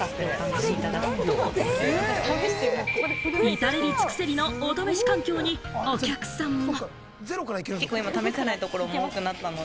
至れり尽くせりのお試し環境にお客さんも。